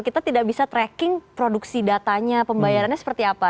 kita tidak bisa tracking produksi datanya pembayarannya seperti apa